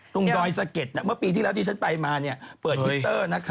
ตรงดอยสะเก็ดนะเมื่อปีที่แล้วที่ฉันไปมาเปิดฮิตเตอร์นะคะ